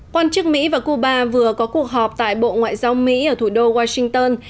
quan chức mỹ và cuba vừa có cuộc họp tại bộ ngoại giao mỹ ở thủ đô washington